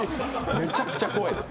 めちゃくちゃ怖いです。